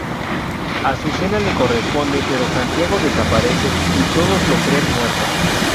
Azucena le corresponde, pero Santiago desaparece y todos lo creen muerto.